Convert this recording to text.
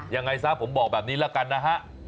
ยังไงซะผมบอกแบบนี้แล้วกันนะฮะ